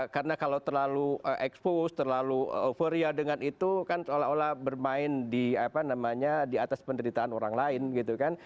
karena kalau terlalu expose terlalu euphoria dengan itu kan seolah olah bermain di apa namanya di atas penderitaan orang lain gitu kan